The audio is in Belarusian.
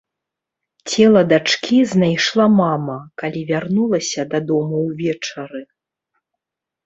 Цела дачкі знайшла мама, калі вярнулася дадому ўвечары.